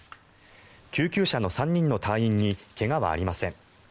救急車の３人の隊員に怪我はありません。